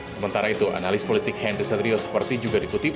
sementara itu analis politik henry satrio seperti juga dikutip